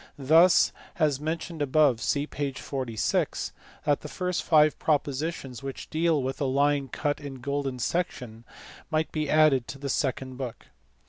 Thus, as mentioned above (see p. 46), the first five propositions which deal with a line cut in golden section might be added to the second book.